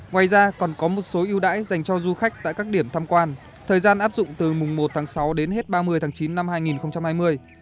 ngoài ra còn có một số yêu đãi dành cho du khách tại các điểm tham quan thời gian áp dụng từ mùng một tháng sáu đến hết ba mươi tháng chín năm hai nghìn hai mươi